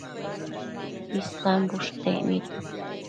Isan bushtec nid